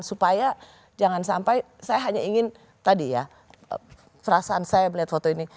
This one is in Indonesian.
supaya jangan sampai saya hanya ingin tadi ya perasaan saya melihat foto ini